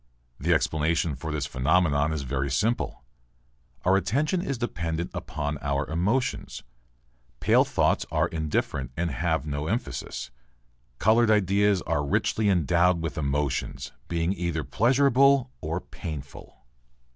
The explanation for this phenomenon is very simple. Our attention is dependent upon our emotions. Pale thoughts are indifferent and have no emphasis. Coloured ideas are richly endowed with emotions, being either pleasurable or painful.